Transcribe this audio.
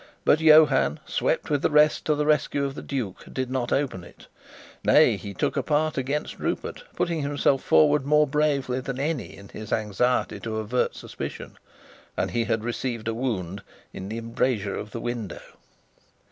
But Johann, swept with the rest to the rescue of the duke, did not open it; nay, he took a part against Rupert, putting himself forward more bravely than any in his anxiety to avert suspicion; and he had received a wound, in the embrasure of the window.